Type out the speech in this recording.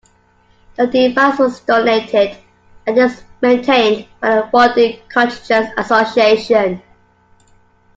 The device was donated and is maintained by the Rondeau Cottagers Association.